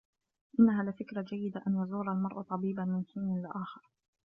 إنّها لفكرة جيّدة أن يزور المرأ طبيبا من حين لآخر.